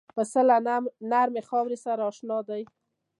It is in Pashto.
پسه له نرمې خاورې سره اشنا دی.